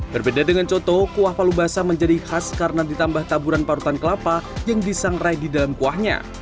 berbeda dengan coto kuah palu basah menjadi khas karena ditambah taburan parutan kelapa yang disangrai di dalam kuahnya